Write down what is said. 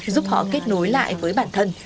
giúp họ kết nối lại với bản thân